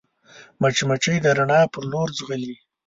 مچمچۍ د رڼا پر لور ځغلي